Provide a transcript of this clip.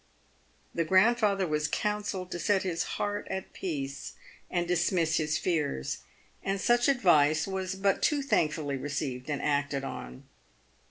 The grandfather was counselled to set his heart at peace, and dismiss his fears. And such advice was but too thankfully received and acted on.